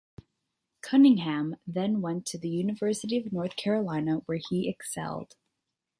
Cunningham then went to the University of North Carolina, where he excelled.